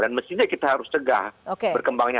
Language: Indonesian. dan mestinya kita harus tegak berkembangnya